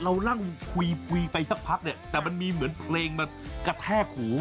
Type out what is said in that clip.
เรานั่งคุยคุยไปสักพักเนี่ยแต่มันมีเหมือนเพลงมากระแทกหู